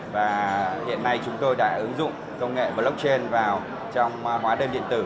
và hiện nay chúng tôi đã ứng dụng công nghệ blockchain vào trong hóa đơn điện tử